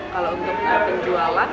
kalau untuk penjualan